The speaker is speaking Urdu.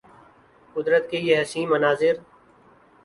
قدرت کے یہ حسین مناظر